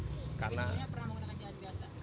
biasanya pernah menggunakan jalan biasa